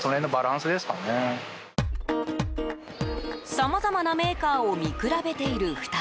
さまざまなメーカーを見比べている２人。